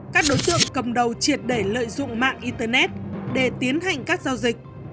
các đối tượng cầm đầu triệt để lợi dụng mạng internet để tiến hành các giao dịch